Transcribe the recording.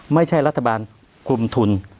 ไม่ใช่รัฐบาลกลุ่มทุน